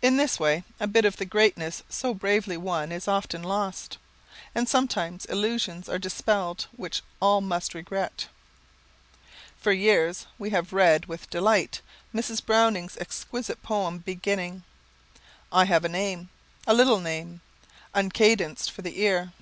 In this way a bit of the greatness so bravely won is often lost, and sometimes illusions are dispelled which all must regret. For years, we have read with delight Mrs. Browning's exquisite poem beginning: "I have a name, a little name Uncadenced for the ear."